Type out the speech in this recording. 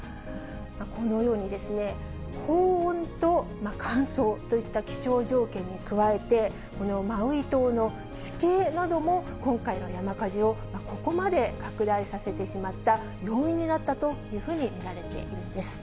このように高温と乾燥といった気象条件に加えて、このマウイ島の地形なども今回の山火事をここまで拡大させてしまった要因になったというふうに見られているんです。